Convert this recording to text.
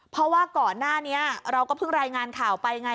เพราะว่าก่อนหน้านี้เราก็เพิ่งรายงานข่าวไปไง